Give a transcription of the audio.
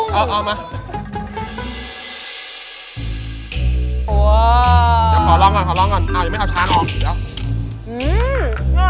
ทำไมผักเยอะจังเลยพี่พากุ้ง